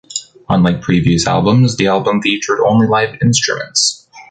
Unlike previous albums, the album featured only live instruments.